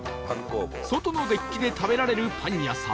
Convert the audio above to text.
外のデッキで食べられるパン屋さん